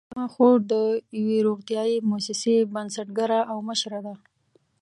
زما خور د یوې روغتیايي مؤسسې بنسټګره او مشره ده